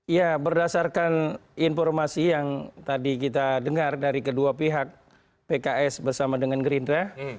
ya berdasarkan informasi yang tadi kita dengar dari kedua pihak pks bersama dengan gerindra